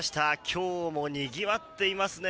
今日もにぎわっていますね。